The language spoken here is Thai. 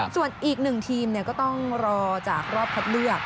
ส่วนอีกหนึ่งทีมก็ต้องรอจากรอบคัดเลือก